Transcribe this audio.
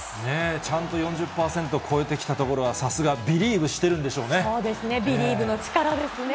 ちゃんと４０％超えてきたところはさすがビリーブしてるんでそうですね、ビリーブの力ですね。